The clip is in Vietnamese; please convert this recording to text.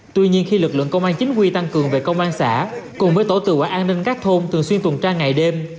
tuy nhiên khi lực lượng công an chính quy tăng cường về công an xã cùng với tổ tự quản an ninh các thôn thường xuyên tuần tra ngày đêm